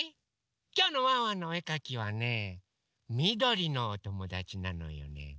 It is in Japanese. きょうのワンワンのおえかきはねみどりのおともだちなのよね。